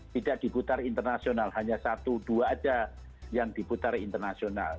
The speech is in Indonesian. tidak diputar internasional hanya satu dua saja yang diputar internasional